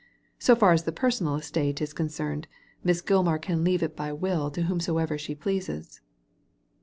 So far as the personal estate is concerned Miss Gilmar can leave it by will to whomsoever she pleases.'